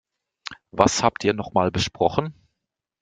Was habt ihr noch mal besprochen?